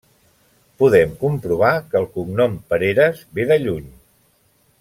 Podem comprovar que el cognom Pereres ve de lluny.